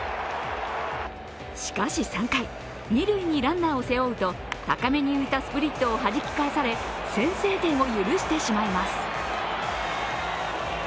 しかし３回、二塁にランナーを背負うと高めに浮いたスプリットをはじき返され先制点を許してしまいます。